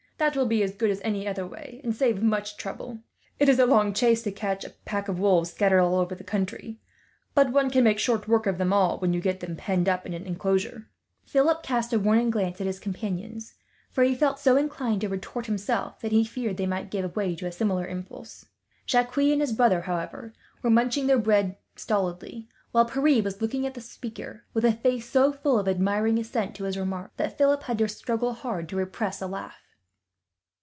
That will be as good as any other way, and save much trouble. It is a long chase to catch a pack of wolves, scattered all over the country; but one can make short work of them all, when you get them penned up in an inclosure." Philip cast a warning glance at his companions, for he felt so inclined to retort, himself, that he feared they might give way to a similar impulse. Jacques and his brother, however, were munching their bread stolidly; while Pierre was looking at the speaker, with a face so full of admiring assent to his remark, that Philip had to struggle hard to repress a laugh.